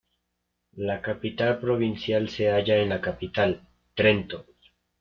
La capital provincial se halla en la capital, Trento.